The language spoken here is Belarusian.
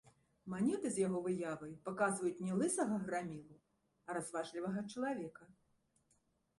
Манеты з яго выявай паказваюць не лысага грамілу, а разважлівага чалавека.